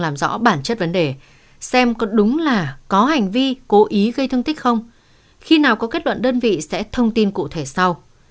làm rõ bản chất vấn đề xem có đúng là có hành vi cố ý gây thương tích không khi nào có kết luận đơn vị sẽ thông tin cụ thể sau